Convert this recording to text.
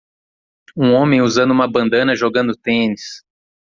Um homem usando uma bandana jogando tênis.